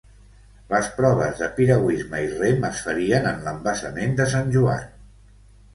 Les proves de piragüisme i rem es farien en l'embassament de Sant Joan.